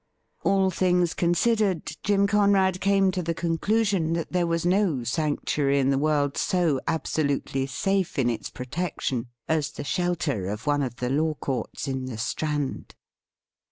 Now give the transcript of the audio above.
All things considered, Jim 19 SCO THE RIDDLE RING Conrad came to the conclusion that there was no sanctuary in the world so absolutely safe in its protection as the shelter of one of the law courts in the Strand.